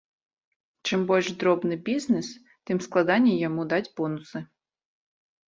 Чым больш дробны бізнэс, тым складаней яму даць бонусы.